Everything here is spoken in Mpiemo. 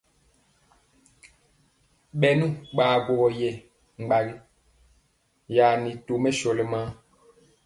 Bɛnu baguɔgo ye gbagi ya tɔmɛ shóli maa.